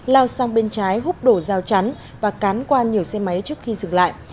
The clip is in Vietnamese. lao sang bên trái húp đổ rào chắn và cán qua nhiều xe máy trước khi dừng lại